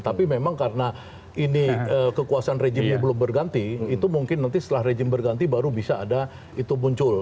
tapi memang karena ini kekuasaan rejimnya belum berganti itu mungkin nanti setelah rejim berganti baru bisa ada itu muncul